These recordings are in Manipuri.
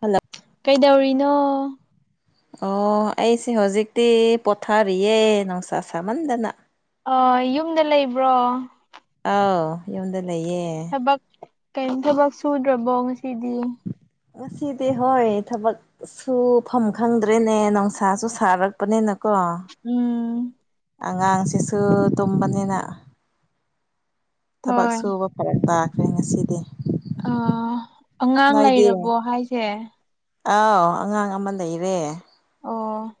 ꯍꯜꯂꯣ ꯀꯩꯗꯧꯔꯤꯅꯣ ꯑꯣ ꯑꯩꯁꯦ ꯍꯧꯖꯤꯛꯇꯤ ꯄꯣꯊꯥꯔꯤꯌꯦ ꯅꯨꯡꯁꯥ ꯁꯥꯃꯟꯗꯅ ꯌꯨꯝꯗ ꯂꯩꯕ꯭ꯔꯣ ꯑꯥꯎ ꯌꯨꯝꯗ ꯂꯩꯌꯦ ꯊꯕꯛ ꯀꯔꯤꯝ ꯊꯕꯛ ꯁꯨꯗ꯭ꯔꯕꯣ ꯉꯁꯤꯗꯤ ꯉꯁꯤꯗꯤ ꯍꯣꯏ ꯊꯕꯛ ꯁꯨꯐꯝ ꯈꯪꯗ꯭ꯔꯦꯅꯦ ꯅꯨꯡꯁꯥꯁꯨ ꯁꯥꯔꯛꯄꯅꯤꯅꯀꯣ ꯎꯝ ꯑꯉꯥꯡ ꯁꯤ ꯁꯨ ꯇꯨꯝꯕꯅꯤꯅ ꯊꯕꯛ ꯍꯣꯏ ꯁꯨꯕ ꯐꯔꯛ ꯇꯥꯈ꯭ꯔꯦ ꯉꯁꯤꯗꯤ ꯑ ꯑꯉꯥꯡ ꯅꯣꯏꯗꯤ ꯂꯩꯔꯕꯣ ꯍꯥꯏꯁꯦ ꯑꯥꯎ ꯑꯉꯥꯡ ꯑꯃ ꯂꯩꯔꯦ ꯑꯣ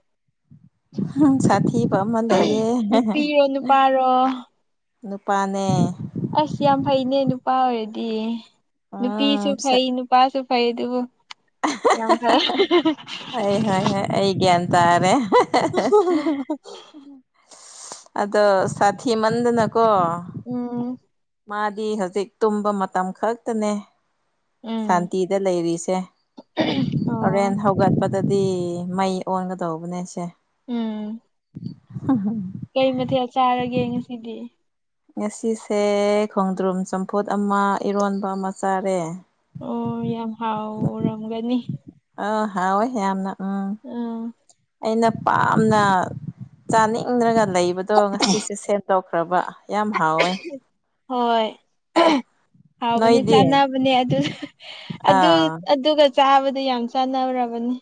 ꯁꯥꯊꯤꯕ ꯑꯃꯥ ꯂꯩꯌꯦ ꯅꯨꯄꯤꯔꯣ ꯅꯨꯄꯥꯔꯣ ꯅꯨꯄꯥꯅꯦ ꯑꯁ ꯌꯥꯝ ꯐꯩꯅꯦ ꯅꯨꯄꯥ ꯑꯣꯏꯔꯗꯤ ꯅꯨꯄꯤꯁꯨ ꯎꯝ ꯐꯩ ꯅꯨꯄꯁꯨ ꯐꯥꯏꯗꯕꯨ ꯑꯩ ꯍꯣꯏ ꯍꯣꯏ ꯑꯩ ꯒ꯭ꯌꯥꯟ ꯇꯥꯔꯦ [unintelligible] [inaudible] ꯑꯗꯣ ꯁꯥꯊꯤ ꯃꯟꯗ ꯅ ꯀꯣ ꯎꯝ ꯃꯥꯗꯤ ꯍꯧꯖꯤꯛ ꯇꯨꯝꯕ ꯃꯇꯝ ꯈꯛꯇꯅꯦ ꯎꯝ ꯁꯥꯟꯇꯤꯗ ꯂꯩꯔꯤꯁꯦ ꯑꯣ ꯍꯣꯔꯦꯟ ꯍꯧꯒꯠꯄꯗꯗꯤ ꯃꯩ ꯑꯣꯟꯒ ꯇꯧꯕꯅꯦꯁꯦ ꯎꯝ ꯍ ꯍ ꯀꯩ ꯃꯊꯦꯜ ꯆꯥꯔꯒꯦ ꯉꯁꯤꯗꯤ ꯉꯁꯤꯁꯦ ꯈꯣꯡꯗ꯭ꯔꯨꯝ ꯆꯝꯐꯨꯠ ꯑꯃ ꯏꯔꯣꯟꯕ ꯑꯃ ꯆꯥꯔꯦ ꯑꯣ ꯌꯥꯝ ꯍꯥꯎꯔꯝꯒꯅꯤ ꯑ ꯍꯥꯎꯑꯣꯣꯏ ꯌꯥꯝꯅ ꯎꯝ ꯑꯩꯅ ꯄꯥꯝꯅ ꯆꯥꯅꯤꯡꯗ꯭ꯔꯒ ꯂꯩꯕꯗꯣ ꯉꯁꯤꯁꯦ ꯁꯦꯝꯗꯣꯛꯈ ꯐ꯭ꯔꯕ ꯌꯥꯝ ꯍꯥꯎꯋꯦ ꯍꯣꯏ ꯍꯥꯎꯕꯅꯦ ꯅꯣꯏꯗꯤ ꯆꯥꯅꯕꯅꯦ ꯑꯗꯨ ꯑꯥ ꯑꯗꯨ ꯆꯥꯕꯗꯤ ꯌꯥꯝ ꯆꯥꯟꯅꯔꯕꯅꯤ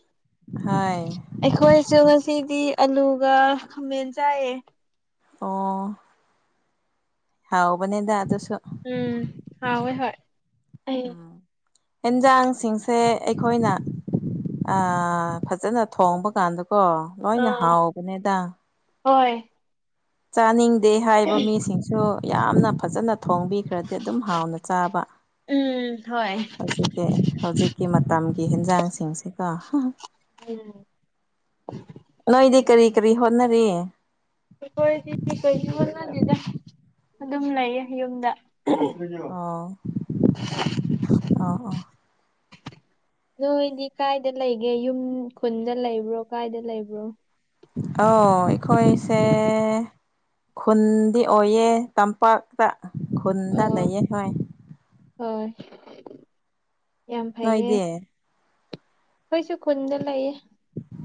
ꯍꯣꯏ ꯑꯩꯈꯣꯏꯁꯨ ꯉꯁꯤꯗꯤ ꯑꯂꯨꯒ ꯈꯥꯃꯦꯟ ꯆꯥꯏꯌꯦ ꯑꯣ ꯍꯥꯎꯕꯅꯦꯗ ꯑꯗꯨꯁꯨ ꯎꯝ ꯍꯧꯋꯦ ꯍꯣꯏ ꯑꯩ ꯑꯦꯟꯖꯥꯡꯁꯤꯡꯁꯦ ꯑꯩꯈꯣꯏꯅ ꯑ ꯐꯖꯅ ꯊꯣꯡꯕ ꯀꯥꯟꯗꯀꯣ ꯂꯣꯏꯅ ꯑꯥ ꯍꯥꯎꯕꯅꯦꯗꯪ ꯍꯣꯏ ꯆꯥꯅꯤꯡꯗꯦ ꯍꯥꯏꯕ ꯃꯤꯁꯤꯡꯁꯨ ꯌꯥꯝꯅ ꯐꯖꯅ ꯊꯣꯡꯕꯤ ꯈꯔꯗꯤ ꯑꯗꯨꯝ ꯍꯥꯎꯅ ꯆꯥꯕ ꯎꯝ ꯍꯣꯏ ꯑꯁꯤ ꯍꯧꯖꯤꯛꯀꯤ ꯃꯇꯝꯒꯤ ꯍꯟꯖꯥꯡꯁꯤꯡꯁꯤꯒꯣ ꯎꯝ ꯅꯣꯏꯗꯤ ꯀꯔꯤ ꯀꯔꯤ ꯍꯣꯠꯅꯔꯤ ꯑꯩꯈꯣꯏꯗꯤ ꯀꯩꯒꯤꯅꯗꯤꯗ ꯑꯗꯨꯝ ꯂꯩꯌꯦ ꯌꯨꯝꯗ ꯑꯥ ꯑꯥ ꯑꯥ ꯅꯣꯏꯗꯤ ꯀꯥꯏꯗ ꯂꯩꯒꯦ ꯌꯨꯝ ꯈꯨꯟꯗ ꯂꯩꯕ꯭ꯔꯣ ꯀꯥꯏꯗ ꯂꯩꯕ꯭ꯔꯣ ꯑ ꯑꯩꯈꯣꯏꯁꯦ ꯈꯨꯟꯗꯤ ꯑꯣꯏꯌꯦ ꯇꯝꯄꯥꯛ ꯄ ꯈꯨꯟꯗ ꯑꯣ ꯂꯩꯌꯦ ꯍꯣꯏ ꯍꯣꯏ ꯌꯥꯝ ꯐꯩꯌꯦ ꯅꯣꯏꯗꯤ ꯑꯩꯈꯣꯏꯁꯨ ꯈꯨꯨꯟꯗ ꯂꯩꯌꯦ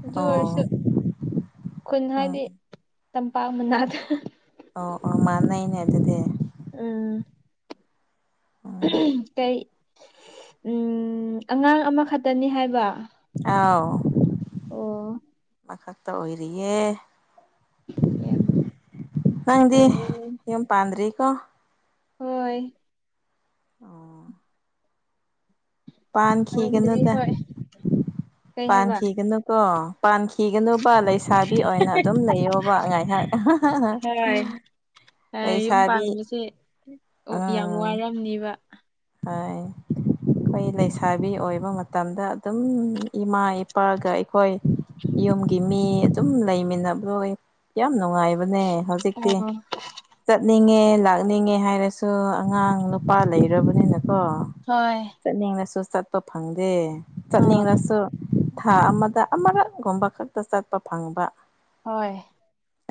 ꯑꯗꯨ ꯑꯣꯏꯔꯁꯨ ꯑꯣ ꯈꯨꯟ ꯎꯝ ꯍꯥꯏꯗꯤ ꯇꯝꯄꯥꯛ ꯃꯅꯥꯗ ꯑꯣ ꯑꯣ ꯃꯥꯥꯟꯅꯩꯅꯦ ꯑꯗꯨꯗꯤ ꯎꯝ ꯎꯝ ꯀꯩ ꯎꯝ ꯑꯉꯥꯡ ꯑꯃꯈꯛꯇꯅꯤ ꯍꯥꯏꯕ ꯑꯥꯎ ꯑꯣ ꯃꯈꯛꯇ ꯑꯣꯏꯔꯤꯌꯦꯦ ꯌꯥꯝ ꯅꯪꯗꯤ ꯐꯔꯦꯅꯦ ꯌꯨꯝ ꯄꯥꯟꯗ꯭ꯔꯤꯀꯣ ꯍꯣꯏ ꯑꯣ ꯄꯥꯟꯗ꯭ꯔꯤ ꯄꯥꯟꯈꯤꯒꯅꯣꯗ ꯍꯣꯏ ꯀꯩ ꯍꯥꯏꯕ ꯄꯥꯟꯈꯤꯒꯅꯨꯀꯣ ꯄꯥꯟꯈꯤꯒꯅꯨꯕ ꯂꯩꯁꯥꯕꯤ ꯑꯣꯏꯅ ꯑꯗꯨꯝ ꯂꯩꯌꯣꯕ ꯉꯥꯏꯍꯥꯛ ꯍꯥ ꯍꯥ ꯍꯣꯏ ꯌꯨꯝ ꯄꯥꯟꯕꯁꯦ ꯌꯥꯝ ꯋꯥꯔꯝꯅꯤꯕ ꯑ ꯑꯩꯈꯣꯏ ꯂꯩꯁꯥꯕꯤ ꯑꯣꯏꯕ ꯃꯇꯝꯗ ꯑꯗꯨꯝ ꯏꯃꯥ ꯏꯄꯥꯒ ꯑꯩꯈꯣꯏ ꯌꯨꯝꯒꯤ ꯃꯤ ꯑꯗꯨꯝ ꯂꯩꯃꯤꯟꯅꯕꯗꯣ ꯌꯥꯝ ꯅꯨꯡꯉꯥꯏꯕꯅꯦ ꯍꯧꯖꯤꯛ ꯍꯧꯖꯤꯛꯇꯤ ꯑꯣ ꯆꯠꯅꯤꯡꯉꯦ ꯂꯥꯛꯅꯤꯡꯉꯦ ꯍꯥꯏꯔꯁꯨ ꯑꯉꯥꯡ ꯅꯨꯄꯥ ꯂꯩꯔꯕꯅꯤ ꯑꯅꯀꯣ ꯍꯣꯏ ꯆꯠꯅꯤꯡꯂꯁꯨ ꯆꯠꯄ ꯐꯪꯗꯦ ꯑꯥ ꯆꯠꯅꯤꯡꯂꯁꯨ ꯊꯥ ꯑꯃꯗ ꯑꯃꯔꯛꯒꯨꯝꯕ ꯈꯛꯇ ꯆꯠꯄ ꯐꯪꯕ ꯍꯣꯏ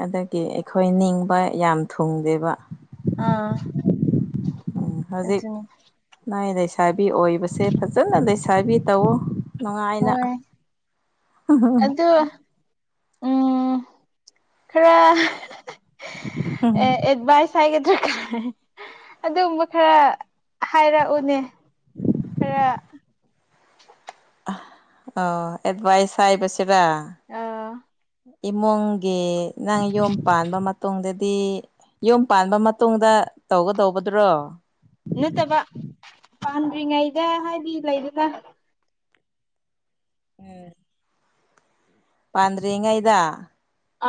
ꯑꯗꯒꯤ ꯑꯩꯈꯣꯏ ꯅꯤꯡꯕ ꯌꯥꯝ ꯊꯨꯡꯗꯦꯕ ꯑꯥ ꯎꯝ ꯍꯧꯖꯤꯛ ꯑꯗꯨꯅꯤ ꯂꯅꯥ ꯂꯩꯁꯥꯕꯤ ꯑꯣꯏꯕꯁꯦ ꯐꯖꯅ ꯂꯩꯁꯥꯕꯤ ꯇꯧꯋ ꯅꯨꯡꯉꯥꯏꯅ ꯍꯣꯏ ꯑꯗꯨ ꯎꯝ ꯈꯔ ꯑꯦꯗꯚꯥꯏꯁ ꯍꯥꯏꯒꯗ꯭ꯔꯥ ꯑꯗꯨꯒꯕ ꯈꯔ ꯍꯥꯏꯔꯛꯎꯅꯦ ꯔ ꯑ ꯑꯦꯠꯚꯥꯏꯁ ꯍꯥꯏꯕꯁꯤꯔ ꯑ ꯏꯃꯨꯡꯒꯤ ꯅꯪ ꯌꯨꯝ ꯄꯥꯟꯕ ꯃꯇꯨꯡꯗꯗꯤ ꯌꯨꯝ ꯄꯥꯟꯕ ꯃꯇꯨꯡꯗ ꯇꯧꯒꯗꯧꯕꯗꯨ꯭ꯔꯣ ꯅꯠꯇꯕ ꯄꯥꯟꯗ꯭ꯔꯤꯉꯩꯗ ꯍꯥꯏꯗꯤ ꯂꯩꯗꯅ ꯎꯝ ꯄꯥꯟꯗ꯭ꯔꯤꯉꯥꯏꯗ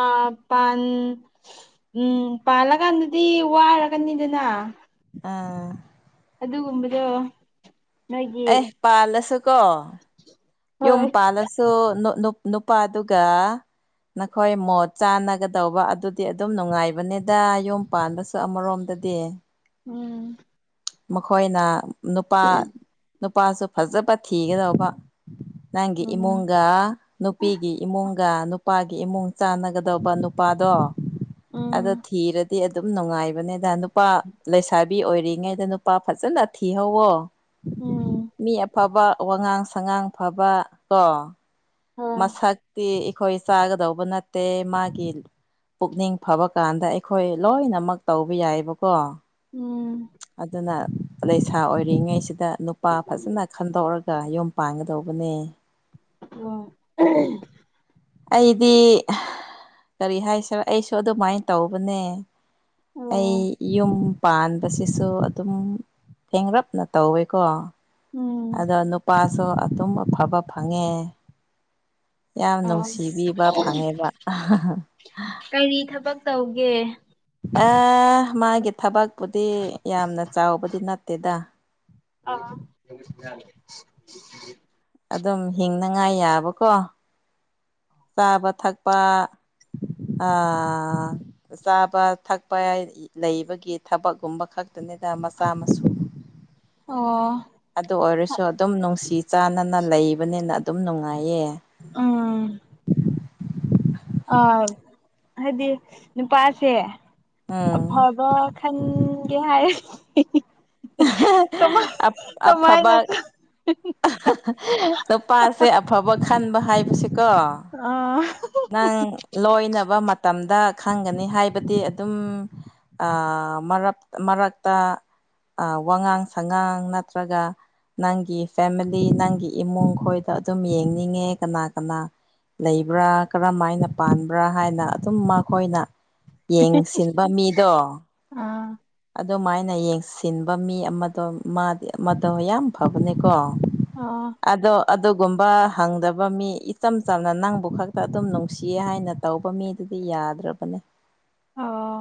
ꯑꯥ ꯄꯥꯟ ꯎꯝ ꯄꯥꯜꯂꯀꯥꯟꯗꯗꯤ ꯋꯥꯔꯒꯅꯤꯗꯅ ꯑꯥ ꯑꯗꯨꯒꯨꯝꯕꯗꯣ ꯅꯣꯏꯒꯤ ꯑꯦ ꯄꯥꯜꯂꯁꯨ ꯀꯣ ꯌꯨꯝ ꯍꯣꯏ ꯄꯥꯜꯂꯁꯨ ꯅꯨꯄꯥꯗꯨꯒ ꯅꯈꯣꯏ ꯃꯣꯠ ꯆꯥꯟꯅꯒꯗꯧꯕ ꯑꯗꯨꯗꯤ ꯑꯗꯨꯝ ꯅꯨꯡꯉꯥꯏꯕꯅꯤꯗ ꯌꯨꯝ ꯄꯥꯟꯕꯁꯨ ꯑꯃꯔꯣꯝꯗꯗꯤ ꯎꯝ ꯃꯈꯣꯏꯅ ꯅꯨꯄꯥ ꯅꯨꯄꯥꯁꯨ ꯐꯖꯕ ꯊꯤꯒꯗꯧꯕ ꯅꯪꯒꯤ ꯎꯝ ꯏꯃꯣꯒ ꯅꯨꯄꯤꯒꯤ ꯏꯃꯨꯡꯒ ꯅꯨꯄꯥꯒꯤ ꯏꯃꯨꯡ ꯆꯥꯟꯅꯒꯗꯕ ꯅꯨꯄꯥꯗꯣ ꯑꯗꯣ ꯎꯝ ꯊꯤꯔꯗꯤ ꯑꯗꯨꯝ ꯅꯨꯡꯉꯥꯏꯕꯅꯦꯗ ꯅꯨꯄꯥ ꯂꯩꯁꯥꯕꯤ ꯑꯣꯏꯔꯤ ꯉꯩꯗ ꯅꯨꯄꯥ ꯐꯖꯅ ꯊꯤꯍꯧꯋꯣ ꯎꯝ ꯃꯤ ꯑꯐꯕ ꯋꯥꯉꯥꯡ ꯁꯉꯥꯡ ꯐꯕ ꯀꯣ ꯍꯣꯏ ꯃꯁꯛꯇꯤ ꯑꯩꯈꯣꯏ ꯆꯥꯒꯗꯧꯕ ꯅꯠꯇꯦ ꯃꯥꯒꯤ ꯄꯨꯛꯅꯤꯡ ꯐꯕ ꯀꯥꯟꯗ ꯑꯩꯈꯣꯏ ꯂꯣꯏꯅꯃꯛ ꯇꯧꯕ ꯌꯥꯏꯕꯀꯣ ꯎꯝ ꯑꯗꯨꯅ ꯂꯩꯁꯥ ꯑꯣꯏꯔꯤꯉꯩꯁꯤꯗ ꯅꯨꯄꯥ ꯐꯖꯅ ꯈꯟꯗꯣꯛꯔꯒ ꯌꯨꯝ ꯄꯥꯟꯒꯗꯧꯕꯅꯦ ꯑꯣ ꯑꯩꯗꯤ ꯀꯔꯤ ꯍꯥꯏꯁꯔꯦ ꯑꯩꯁꯨ ꯑꯗꯨꯃꯥꯏꯅ ꯇꯧꯕꯅꯦ ꯑꯩ ꯑꯣ ꯌꯨꯝ ꯄꯥꯟꯕꯁꯤꯁꯨ ꯑꯗꯨꯝ ꯊꯦꯡꯡꯂꯞꯅ ꯇꯧꯋꯦꯀꯣ ꯎꯝ ꯑꯗꯣ ꯅꯨꯄꯥꯁꯨ ꯑꯗꯨꯝ ꯑꯐꯕ ꯐꯪꯉꯦ ꯌꯥꯝ ꯑꯣ ꯅꯨꯡꯁꯤꯕꯤꯕ ꯐꯪꯉꯦꯕ ꯀꯔꯤ ꯊꯕꯛ ꯇꯧꯒꯦ ꯑ ꯃꯥꯒꯤ ꯊꯕꯛꯄꯨꯗꯤ ꯌꯥꯝꯅ ꯆꯥꯎꯕꯗꯤ ꯅꯠꯇꯦꯗ ꯑ ꯑꯗꯨꯝ ꯍꯤꯡꯅꯉꯥꯏ ꯌꯥꯕꯀꯣ ꯆꯥꯕ ꯊꯛꯄ ꯆꯥꯕ ꯊꯛꯄ ꯂꯩꯕꯒꯤ ꯊꯕꯛꯒꯨꯝꯕ ꯈꯛ ꯑꯗꯨꯅꯤꯗ ꯃꯆꯥ ꯃꯁꯨ ꯑꯣ ꯑꯗꯨ ꯑꯣꯏꯔꯁꯨ ꯑꯗꯨꯝ ꯅꯨꯡꯁꯤ ꯆꯥꯟꯅꯅ ꯂꯩꯕꯅꯤꯅ ꯑꯗꯨꯝ ꯅꯨꯡꯉꯥꯏꯌꯦ ꯎꯝ ꯑ ꯍꯥꯏꯗꯤ ꯅꯨꯄꯥꯁꯦ ꯎꯝ ꯑꯐꯕ ꯈꯟꯒꯦ ꯍꯥꯏꯔ ꯇꯃ ꯇꯃꯥꯏ ꯅ ꯍꯥ ꯍꯥꯥ ꯍꯥ ꯅꯨꯄꯥꯁꯦ ꯑꯕ ꯐꯕ ꯈꯟꯕ ꯍꯥꯏꯕꯁꯦꯀꯣ ꯑꯥ ꯅꯪ ꯂꯣꯏꯅꯕ ꯃꯇꯝꯗ ꯈꯪꯒꯅꯤ ꯍꯥꯏꯕꯗꯤ ꯑꯗꯨꯝ ꯑꯥ ꯃꯔꯞ ꯃꯔꯛꯇ ꯋꯥꯉꯥꯡ ꯁꯉꯥꯡ ꯅꯠꯇ꯭ꯔꯒ ꯅꯪꯒꯤ ꯐꯦꯃꯤꯂꯤ ꯅꯪꯒꯤ ꯏꯃꯨꯡ ꯈꯣꯏꯗ ꯑꯗꯨꯝ ꯌꯦꯡꯅꯤꯡꯉꯦ ꯀꯅꯥ ꯀꯅꯥ ꯂꯩꯕ꯭ꯔꯥ ꯀꯔꯝꯥꯏꯅ ꯄꯥꯟꯕ꯭ꯔꯥ ꯍꯥꯏꯅ ꯑꯗꯨꯝ ꯃꯈꯣꯏꯅ ꯌꯦꯡꯁꯤꯟꯕ ꯃꯤꯗꯣ ꯑꯥ ꯑꯗꯨꯃꯥꯏꯅ ꯌꯦꯡꯁꯤꯟꯕ ꯃꯤ ꯑꯃꯗꯣ ꯃꯥꯗꯤ ꯑꯃꯗꯣ ꯌꯥꯝ ꯐꯕꯅꯦꯀꯣ ꯑꯣ ꯑꯗꯣ ꯑꯗꯨꯒꯨꯝꯕ ꯍꯪꯗꯕ ꯃꯤ ꯏꯆꯝ ꯆꯝꯅ ꯅꯪꯕꯨ ꯈꯛꯇ ꯑꯗꯨꯝ ꯅꯨꯡꯁꯤꯌꯦ ꯍꯥꯏꯅ ꯇꯧꯕ ꯃꯤꯗꯨꯗꯤ ꯌꯥꯗ꯭ꯔꯕꯅꯦ ꯑꯣ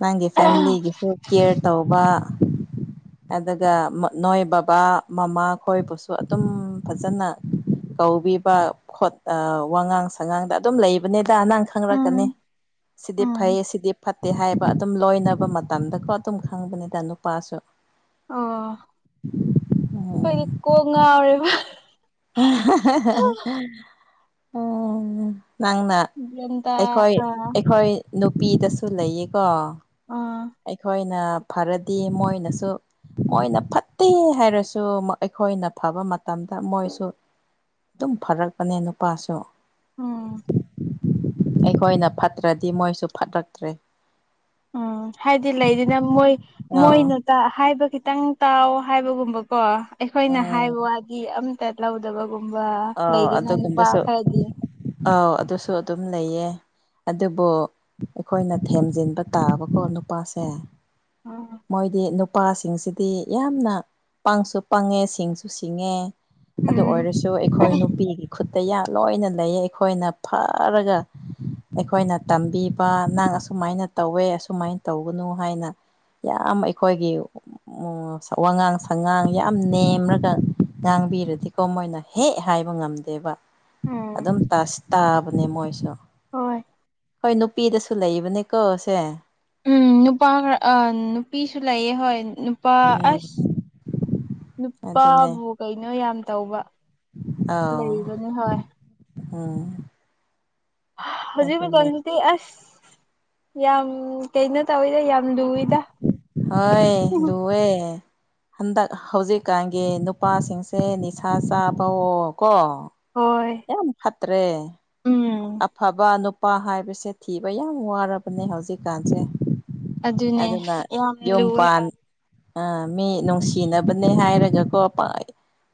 ꯅꯪꯒꯤ ꯐꯦꯃꯤꯂꯤꯒꯤꯁꯨ ꯀꯦꯌꯔ ꯇꯧꯕ ꯑꯗꯨꯒ ꯅꯣꯏ ꯕꯕꯥ ꯃꯃꯥ ꯈꯣꯏꯕꯨꯁꯨ ꯑꯗꯨꯝ ꯐꯖꯅ ꯇꯧꯕꯤꯕꯥ ꯈꯣꯠꯄꯥ ꯋꯥꯉꯥꯡ ꯁꯉꯥꯡꯗ ꯑꯗꯨꯝ ꯂꯩ ꯎꯅꯦꯗꯥ ꯅꯪ ꯈꯪꯔꯛꯀꯅꯤ ꯎꯝ ꯁꯤꯗꯤ ꯎꯝ ꯐꯩꯌꯦ ꯁꯤꯗꯤ ꯐꯠꯇꯦ ꯍꯥꯏ ꯅꯨꯄꯥ ꯑꯗꯨꯝ ꯂꯣꯏꯅꯕ ꯃꯇꯝꯗꯀꯣ ꯑꯗꯨꯝ ꯈꯪꯕꯅꯤꯗ ꯅꯨꯄꯥꯁꯨ ꯑꯣ ꯈꯣꯏꯗꯤ ꯀꯣꯛ ꯉꯥꯎꯔꯦꯕꯥ ꯎꯝ ꯅꯪꯅ ꯒ꯭ꯌꯥꯟ ꯇꯥ ꯑꯩꯈꯣꯏ ꯑꯥ ꯑꯩꯈꯣꯏ ꯅꯨꯄꯤꯗꯁꯨ ꯂꯩꯌꯦꯀꯣ ꯑꯥ ꯑꯩꯈꯣꯏꯅ ꯐꯔꯗꯤ ꯃꯣꯏꯅꯁꯨ ꯃꯣꯏꯅ ꯐꯠꯇꯦ ꯍꯥꯏꯔꯁꯨ ꯑꯩꯈꯣꯏꯅ ꯐꯕ ꯃꯇꯝꯗ ꯃꯣꯏꯁꯨ ꯑꯗꯨꯝ ꯐꯔꯛꯄꯅꯦ ꯅꯨꯄꯥꯁꯨ ꯎꯝ ꯑꯩꯈꯣꯏꯅ ꯐꯠꯇ꯭ꯔꯗꯤ ꯃꯣꯏꯁꯨ ꯐꯠꯔꯛꯇ꯭ꯔꯦ ꯎꯝ ꯍꯥꯏꯗꯤ ꯂꯩꯗꯅ ꯃꯣꯏ ꯑꯥ ꯃꯣꯏꯅ ꯇꯥ ꯍꯥꯏꯕ ꯈꯤꯇꯪ ꯇꯥꯎ ꯍꯥꯏꯕꯒꯨꯝꯕꯀꯣ ꯑꯩꯈꯣꯏꯅ ꯍꯥꯏꯕ ꯋꯥꯗꯤ ꯑꯝ ꯇꯥ ꯂꯧꯗꯕꯒꯨꯝꯕ ꯑꯥ ꯂꯩꯗꯅ ꯅꯨꯄꯥ ꯑꯗꯨꯒꯨꯝꯕꯁꯨ ꯈꯔꯗꯤ ꯑꯥꯎ ꯑꯗꯨꯁꯨ ꯑꯗꯨꯝ ꯂꯩꯌꯦ ꯑꯗꯨꯕꯨ ꯑꯩꯈꯣꯏꯅ ꯊꯦꯝꯖꯤꯟꯕ ꯇꯥꯕꯀꯣ ꯅꯨꯄꯥꯁꯦ ꯎꯝ ꯃꯣꯏꯗꯤ ꯅꯨꯄꯥꯁꯤꯡꯁꯤꯗꯤ ꯌꯥꯝꯅ ꯄꯪꯁꯨ ꯄꯪꯉꯦ ꯁꯤꯡꯁꯨ ꯁꯤꯡꯉꯦ ꯑꯗꯨ ꯎꯝ ꯑꯣꯏꯔꯁꯨ ꯑꯩꯈꯣꯏ ꯅꯨꯄꯤꯒꯤ ꯈꯨꯠꯇ ꯀꯌꯥ ꯂꯣꯏꯅ ꯂꯩꯌꯦ ꯑꯩꯈꯣꯏꯅ ꯐꯔꯒ ꯑꯩꯈꯣꯏꯅ ꯇꯝꯕꯤꯕ ꯅꯪ ꯑꯁꯨꯃꯥꯏꯅ ꯇꯧꯋꯦ ꯑꯁꯨꯃꯥꯏꯅ ꯇꯧꯒꯅꯨ ꯍꯥꯏꯅ ꯌꯥꯝ ꯑꯩꯈꯣꯏꯒꯤ ꯋꯥꯉꯥꯡ ꯁꯉꯥꯡ ꯌꯥꯝ ꯅꯦꯝꯔꯒ ꯉꯥꯡꯕꯤꯔꯗꯤꯀꯣ ꯃꯣꯏꯅ ꯍꯦꯛ ꯍꯥꯏꯕ ꯉꯝꯗꯦꯕ ꯎꯝ ꯑꯗꯨꯝ ꯇꯥꯕꯅꯦ ꯃꯣꯏꯁꯨ ꯍꯣꯏ ꯍꯣꯏ ꯅꯨꯄꯤꯗꯁꯨ ꯂꯩꯕꯅꯦꯀꯣ ꯁꯦ ꯎꯝ ꯅꯨꯄꯥ ꯈꯔ ꯑꯥ ꯅꯨꯄꯤꯁꯨ ꯂꯩꯌꯦ ꯍꯣꯏ ꯅꯨꯄꯥ ꯎꯝ ꯑꯁ ꯑꯗꯨꯅꯦ ꯅꯨꯄꯥꯕꯨ ꯀꯩꯅꯣ ꯌꯥꯝ ꯇꯧꯕ ꯑꯥꯎ ꯂꯩꯕꯅꯦ ꯍꯣꯏ ꯎ ꯍꯧꯖꯤꯛ ꯃꯇꯝꯁꯤꯗꯤ ꯑꯁ ꯌꯥꯝ ꯀꯩꯅꯣ ꯇꯧꯋꯤꯗ ꯌꯥꯝ ꯂꯨꯏꯗ ꯍꯣꯏ ꯂꯨꯋꯦ ꯍꯟꯗꯛ ꯍꯧꯖꯤꯛꯀꯥꯟꯒꯤ ꯅꯨꯄꯥꯁꯤꯡꯁꯦ ꯅꯤꯁꯥ ꯆꯥꯕꯣꯑꯣ ꯀꯣ ꯍꯣꯏ ꯌꯥꯝ ꯐꯠꯇ꯭ꯔꯦ ꯎꯝ ꯑꯐꯕ ꯅꯨꯄꯥ ꯍꯥꯏꯕꯁꯦ ꯊꯤꯕ ꯌꯥꯝ ꯋꯥꯔꯕꯅꯦ ꯍꯧꯖꯤꯛꯀꯥꯟꯁꯦ ꯑꯗꯨꯅꯦ ꯑꯗꯨꯅ ꯌꯥꯝ ꯌꯨꯝ ꯂꯨꯋꯦ ꯄꯥꯟ ꯑꯥ ꯑ ꯃꯤ ꯅꯨꯡꯁꯤꯅꯕꯅꯦ ꯍꯥꯏꯔꯒꯀꯣ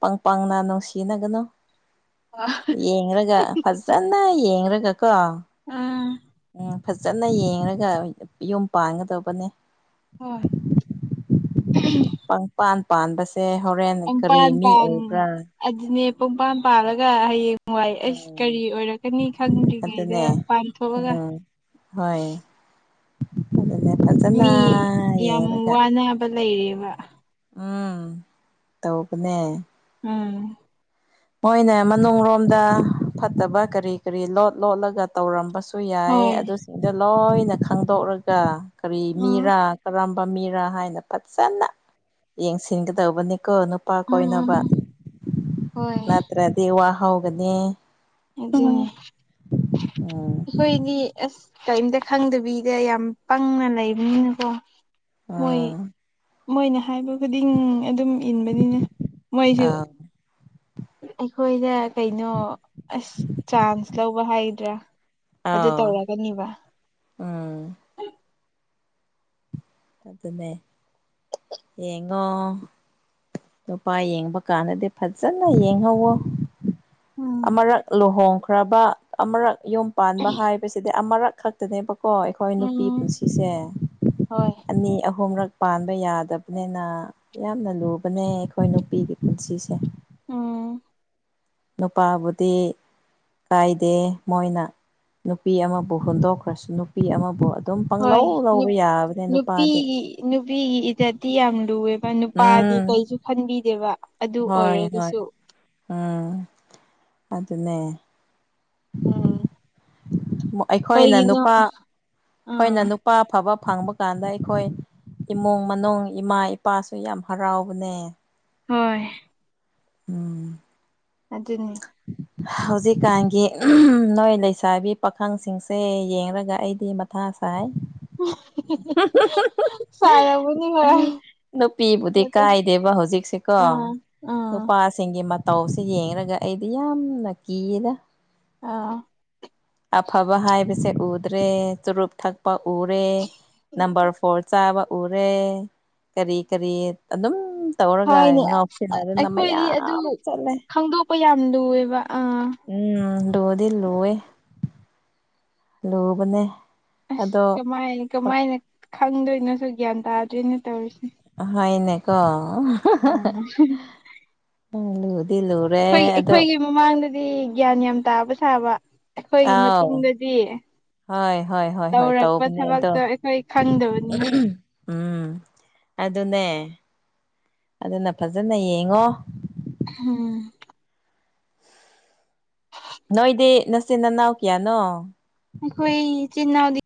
ꯄꯪ ꯄꯪꯅ ꯅꯨꯡꯁꯤꯅꯒꯅꯨ ꯌꯦꯡꯔꯒ ꯐꯖꯅ ꯌꯦꯡꯔꯒ ꯀꯣ ꯎꯝ ꯎꯝ ꯐꯖꯅ ꯌꯦꯡꯔꯒ ꯌꯨꯝ ꯄꯥꯟꯒꯗꯧꯕꯅꯦ ꯍꯣꯏ ꯄꯪꯄꯥꯟ ꯄꯥꯟꯕꯁꯦ ꯍꯣꯔꯦꯟ ꯀꯔꯤ ꯄꯪꯄꯥꯟ ꯃꯤ ꯄꯥꯟ ꯑꯣꯏꯕ꯭ꯔꯥ ꯑꯗꯨꯅꯦ ꯄꯨꯡꯄꯥꯟ ꯄꯥꯜꯂꯒ ꯍꯌꯦꯡ ꯅꯨꯡꯉꯥꯏ ꯑꯩꯁ ꯎꯝ ꯀꯔꯤ ꯑꯣꯏꯔꯛꯀꯅꯤ ꯈꯟꯗ꯭ꯔꯤꯉꯩꯗ ꯑꯗꯨꯅꯦ ꯄꯥꯟꯊꯣꯛꯑꯒ ꯑꯗꯨꯅ ꯐꯖꯅꯥ ꯃꯤ ꯌꯥꯝ ꯌꯦꯡꯔꯒ ꯋꯥꯅꯕ ꯂꯩꯔꯦꯕ ꯎꯝ ꯇꯧꯕꯅꯦ ꯎꯝ ꯃꯣꯏꯅ ꯃꯅꯨꯡꯔꯣꯝꯗ ꯐꯠꯇꯕ ꯀꯔꯤ ꯀꯔꯤ ꯂꯣꯠ ꯂꯣꯠꯂꯒ ꯇꯧꯔꯝꯕꯁꯨ ꯌꯥꯏ ꯍꯣꯏ ꯑꯗꯨꯁꯤꯡꯗꯣ ꯂꯣꯏꯅ ꯈꯪꯗꯣꯛꯂꯒ ꯀꯔꯤ ꯎꯝ ꯃꯤꯔꯥ ꯀꯔꯝꯕ ꯃꯤꯔꯥ ꯍꯥꯏꯅ ꯐꯖꯅ ꯌꯦꯡꯁꯤꯟꯒꯗꯧꯕꯅꯤꯀꯣ ꯅꯨꯄꯥ ꯎꯝ ꯎꯝ ꯀꯣꯏꯅꯕ ꯍꯣꯏ ꯅꯠꯇ꯭ꯔꯗꯤ ꯋꯥꯍꯧꯒꯅꯤ ꯑꯗꯨꯅꯤ ꯑꯣ ꯑꯩꯈꯣꯏꯗꯤ ꯑꯁ ꯀꯩꯝꯇ ꯈꯪꯗꯕꯤꯗ ꯌꯥꯝ ꯄꯪꯅ ꯂꯩꯕꯅꯤꯅꯀꯣ ꯃꯣꯏ ꯑꯥꯎ ꯃꯣꯏꯅ ꯍꯥꯏꯕ ꯈꯨꯗꯤꯡ ꯑꯗꯨꯝ ꯏꯟꯕꯅꯤꯅ ꯃꯣꯏꯁꯨ ꯑꯩꯈꯣꯏꯗ ꯀꯩꯅꯣ ꯑꯁ ꯆꯥꯟꯁ ꯂꯧꯕ ꯍꯥꯏꯒꯗ꯭ꯔꯥ ꯑꯗꯨ ꯑꯥꯎ ꯇꯧꯔꯛꯀꯅꯦꯕ ꯎꯝ ꯑꯗꯨꯅꯦ ꯌꯦꯡꯉꯣ ꯅꯨꯄꯥ ꯌꯦꯡꯕ ꯀꯥꯟꯗꯗꯤ ꯐꯖꯅ ꯌꯦꯡꯍꯧꯋꯣ ꯎꯝ ꯑꯃꯔꯛ ꯂꯨꯍꯣꯡꯈ꯭ꯔꯕ ꯑꯃꯔꯛ ꯌꯨꯝ ꯄꯥꯟꯕ ꯍꯥꯏꯕꯁꯤꯗꯤ ꯑꯃꯔꯛ ꯈꯛ ꯈꯛꯇꯅꯦꯕꯀꯣ ꯑꯩꯈꯣꯏ ꯅꯨꯄꯤ ꯎꯝ ꯄꯨꯟꯁꯤꯁꯦ ꯍꯣꯏ ꯑꯅꯤ ꯑꯍꯨꯝꯔꯛ ꯄꯥꯟꯕ ꯌꯥꯗꯕꯅꯤꯅ ꯌꯥꯝꯅ ꯂꯨꯕꯅꯦ ꯑꯩꯈꯣꯏ ꯅꯨꯄꯤꯒꯤ ꯄꯨꯟꯁꯤꯁꯦ ꯎꯝ ꯅꯨꯄꯥꯕꯨꯗꯤ ꯀꯥꯏꯗꯦ ꯃꯣꯏꯅ ꯅꯨꯄꯤ ꯑꯃꯕꯨ ꯍꯨꯟꯗꯣꯛꯈ꯭ꯔꯁꯨ ꯅꯨꯄꯤ ꯑꯃꯕꯨ ꯑꯗꯨꯝ ꯍꯣꯏ ꯄꯪꯂꯧ ꯂꯧꯕ ꯌꯥꯕꯅꯦ ꯅꯨꯄꯥꯗꯤ ꯅꯨꯄꯤꯒꯤ ꯅꯨꯄꯤꯒꯤ ꯏꯖꯠꯇꯤ ꯌꯥꯝ ꯂꯨꯑꯦꯕ ꯅꯨꯄꯥꯗꯤ ꯎꯝ ꯀꯩꯁꯨ ꯈꯟꯕꯤꯗꯦꯕ ꯑꯗꯨ ꯍꯣꯏ ꯍꯣꯏ ꯑꯣꯏꯔꯒꯁꯨ ꯎꯝ ꯑꯗꯨꯅꯦ ꯎꯝ ꯑꯩꯈꯣꯏꯅ ꯀꯩꯒꯤꯅꯣ ꯅꯨꯄꯥ ꯑꯩꯈꯣꯏꯅ ꯑꯥ ꯅꯨꯄꯥ ꯑꯐꯕ ꯐꯪꯕ ꯀꯥꯟꯗ ꯑꯩꯈꯣꯏ ꯏꯃꯨꯡ ꯃꯅꯨꯡ ꯏꯃꯥ ꯏꯄꯥꯁꯨ ꯌꯥꯝ ꯍꯔꯥꯎꯕꯅꯦ ꯍꯣꯏ ꯎꯝ ꯑꯗꯨꯅꯦ ꯍꯥ ꯍꯧꯖꯤꯛꯀꯥꯟꯒꯤ ꯅꯣꯏ ꯂꯩꯁꯥꯕꯤ ꯄꯥꯈꯪꯁꯤꯡꯁꯦ ꯌꯦꯡꯔꯒ ꯑꯩꯗꯤ ꯃꯊꯥ ꯁꯥꯏ [unintelligible] [unintelligible] ꯅꯨꯄꯤꯕꯨꯗꯤ ꯀꯥꯏꯗꯦꯕ ꯍꯧꯖꯤꯛꯁꯤꯀꯣ ꯑꯥ ꯑꯥ ꯅꯨꯄꯥ ꯁꯤꯡꯒꯤ ꯃꯇꯧꯁꯦ ꯌꯦꯡꯔꯥꯒ ꯑꯩꯗꯤ ꯌꯥꯝꯅ ꯀꯤꯌꯦꯗꯥ ꯑꯥ ꯑꯐꯕ ꯍꯥꯏꯕꯁꯦ ꯎꯗ꯭ꯔꯦ ꯆꯨꯔꯨꯞ ꯊꯛ ꯄ ꯎꯔꯦ ꯅꯝꯕꯔ ꯐꯣꯔ ꯆꯥꯕ ꯎꯔꯦ ꯀꯔꯤ ꯀꯔꯤ ꯑꯗꯨꯝ ꯇꯧꯔꯒ ꯍꯣꯏꯅꯦ ꯑ- ꯉꯥꯎꯁꯤꯟꯅꯗꯅ ꯃꯌꯥꯝ ꯆꯠꯂꯦ ꯍꯣꯏ ꯌꯥꯝ ꯂꯨꯑꯦꯕ ꯑꯥ ꯎꯝ ꯂꯨꯗꯤ ꯂꯨꯋꯦ ꯂꯨꯕꯅꯦ ꯑꯁ ꯑꯗꯣ ꯀꯃꯥꯏ ꯀꯃꯥꯏꯅ ꯈꯪꯗꯣꯏꯅꯣꯁꯨ ꯒ꯭ꯌꯥꯟ ꯇꯥꯗ꯭ꯔꯦꯅꯦ ꯇꯧꯔꯤꯁꯦ ꯑꯍꯣꯏꯅꯦꯀꯣ ꯍꯨꯝ ꯎꯝ ꯂꯨꯠ ꯑꯩꯈꯣꯏꯒꯤ ꯑꯩꯈꯣꯏꯒꯤ ꯃꯃꯥꯡꯗꯗꯤ ꯒ꯭ꯌꯥꯟ ꯌꯥꯝ ꯇꯥꯕ ꯁꯥꯕ ꯑꯩꯈꯣꯏꯒꯤ ꯑꯥꯎ ꯃꯇꯨꯡꯗꯗꯤ ꯍꯣꯏ ꯍꯣꯏ ꯍꯣꯏ ꯍꯣꯏ ꯇꯧꯔꯛꯄ ꯇꯧꯕꯅꯦ ꯑꯗꯣ ꯊꯕꯛꯇꯣ ꯑꯩꯈꯣꯏ ꯈꯪꯗꯕꯅꯤꯅ ꯎꯝ ꯑꯗꯨꯅꯦ ꯑꯗꯨꯅ ꯐꯖꯅ ꯌꯦꯡꯉꯣ ꯎꯝ ꯅꯣꯏꯗꯤ ꯅꯆꯟ ꯅꯅꯥꯎ ꯀꯌꯥꯅꯣ ꯈꯣꯏ ꯏꯆꯤꯟ ꯏꯅꯎꯗꯤ